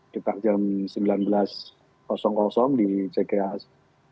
dekat jam sembilan belas di cks